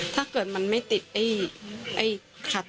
ถ้าเกิดมันไม่ติดไอ้ไอ้ขาตั้งโต๊ะแม่ก็วงไปกับเขาด้วย